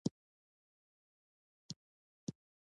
ازادي راډیو د اقلیتونه په اړه د روغتیایي اغېزو خبره کړې.